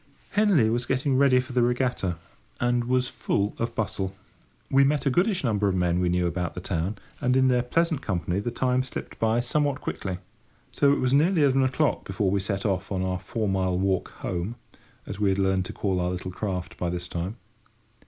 Henley was getting ready for the regatta, and was full of bustle. We met a goodish number of men we knew about the town, and in their pleasant company the time slipped by somewhat quickly; so that it was nearly eleven o'clock before we set off on our four mile walk home—as we had learned to call our little craft by this time.